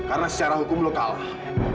karena secara hukum lo kalah